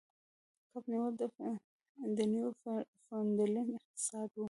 کب نیول د نیوفونډلینډ اقتصاد و.